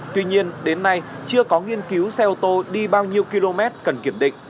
tuy nhiên đến nay chưa có nghiên cứu xe ô tô đi bao nhiêu km cần kiểm định